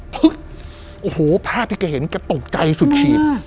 โอ้โหภาพที่แกเห็นแกตกใจสุดขีด